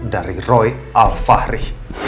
dari roy alfahri